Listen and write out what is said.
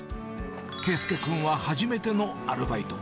佳祐君は初めてのアルバイト。